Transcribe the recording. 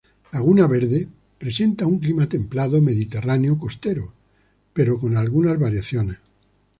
Laguna Verde presenta un clima templado mediterráneo costero, pero con algunas variaciones.